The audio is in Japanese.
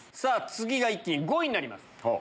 次が一気に５位になります。